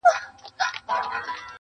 • دا سودا مي ومنه که ښه کوې..